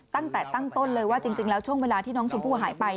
ตั้งแต่ตั้งต้นเลยว่าจริงแล้วช่วงเวลาที่น้องชมพู่หายไป